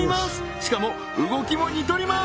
しかも動きも似とります